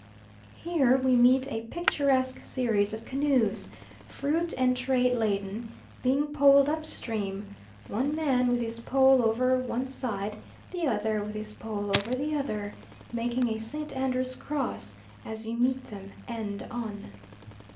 Here we meet a picturesque series of canoes, fruit and trade laden, being poled up stream, one man with his pole over one side, the other with his pole over the other, making a St. Andrew's cross as you meet them end on.